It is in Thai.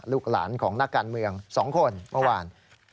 ลูกหลานของนักการเมือง๒คนเมื่อวาน